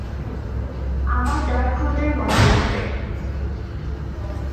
আমার ডার্কহোল্ডের মন্ত্র লাগবে।